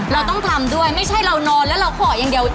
เราต้องทำด้วยไม่ใช่เรานอนแล้วเราขออย่างเดียว